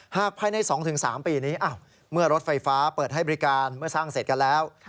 ภายใน๒๓ปีนี้เมื่อรถไฟฟ้าเปิดให้บริการเมื่อสร้างเสร็จกันแล้ว